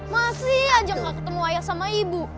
masih aja gak ketemu ayah sama ibu